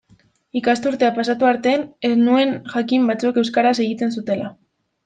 Ikasturtea pasatu arte ez nuen jakin batzuek euskaraz egiten zutela.